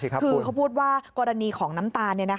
คือเขาพูดว่ากรณีของน้ำตาล